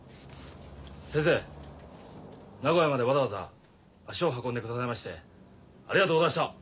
先生名古屋までわざわざ足を運んでくださいましてありがとうございました。